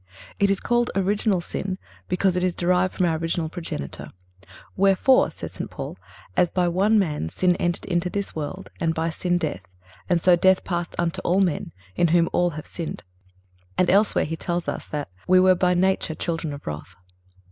It is called original sin because it is derived from our original progenitor. "Wherefore," says St. Paul, "as by one man sin entered into this world, and by sin death, and so death passed unto all men, in whom all have sinned."(331) And elsewhere he tells us that "we were by nature children of wrath."